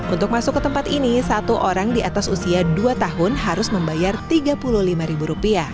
untuk masuk ke tempat ini satu orang di atas usia dua tahun harus membayar rp tiga puluh lima